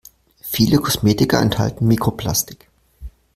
Viele Kosmetika enthalten Mikroplastik.